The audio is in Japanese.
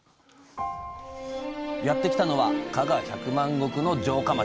やってきたのは加賀百万石の城下町